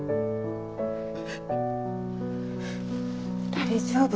大丈夫。